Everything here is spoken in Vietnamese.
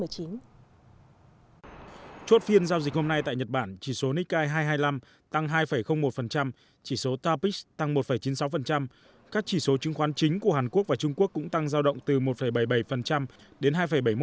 chốt phiên giao dịch hôm nay tại nhật bản chỉ số nikkei hai trăm hai mươi năm tăng hai một chỉ số tapix tăng một chín mươi sáu các chỉ số chứng khoán chính của hàn quốc và trung quốc cũng tăng giao động từ một bảy mươi bảy đến hai bảy mươi một